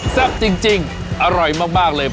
แซ่บจริงอร่อยมากเลย